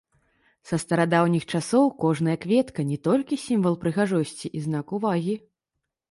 Са старадаўніх часоў кожная кветка не толькі сімвал прыгажосці і знак увагі.